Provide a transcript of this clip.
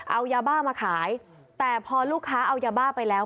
เอายาบ้ามาขายแต่พอลูกค้าเอายาบ้าไปแล้ว